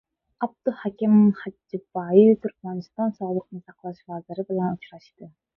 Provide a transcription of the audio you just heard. Abduhakim Xadjibayev Turkmaniston Sog‘liqni saqlash vaziri bilan uchrashdi